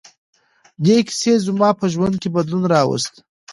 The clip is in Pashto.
دې کیسې زما په ژوند کې بدلون راوست.